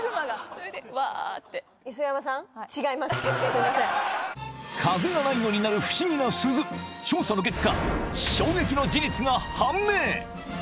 マグマが風がないのに鳴る不思議な鈴調査の結果衝撃の事実が判明